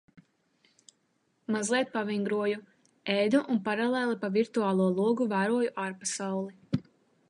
Mazliet pavingroju. Ēdu un paralēli pa virtuālo logu vēroju ārpasauli.